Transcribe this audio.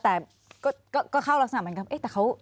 แต่ก็เข้ารักษณะเหมือนกับ